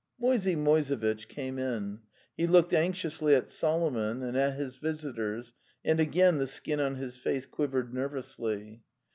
..." Moisey Moisevitch came in. He looked anx iously at Solomon and at his visitors, and again the skin on his face quivered nervously.